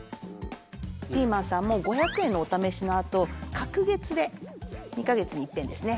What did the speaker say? ピーマンさんも５００円のおためしのあと隔月で２か月にいっぺんですね